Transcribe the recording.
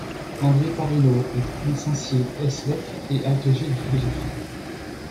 André Parinaud est licencié ès lettres et agrégé de philosophie.